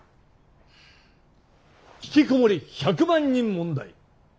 ひきこもり１００万人問題。